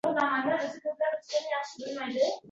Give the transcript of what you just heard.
Shu bilan bu turmushim ham bitdi